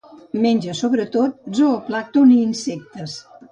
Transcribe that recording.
Menja sobretot zooplàncton i insectes.